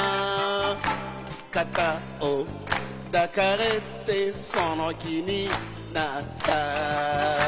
「肩を抱かれてその気になった」